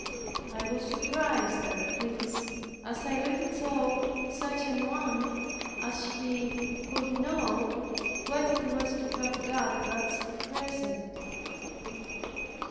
I was surprised at this, as I little thought such an one as he could know what it was to have God thus present.